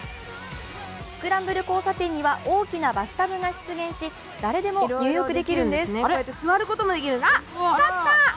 スクランブル交差点には、大きなバスタブが出現し誰でも入浴できるんです。